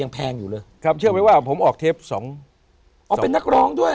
แพงอยู่เลยครับเชื่อไหมว่าผมออกเทปสองอ๋อเป็นนักร้องด้วย